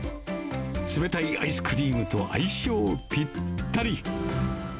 冷たいアイスクリームと相性ぴったり。